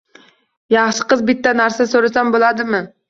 - Yaxshi qiz, bitta narsa so'rasam bo'ladimi?